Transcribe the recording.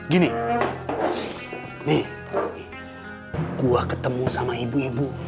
gini nih gue ketemu sama ibu ibu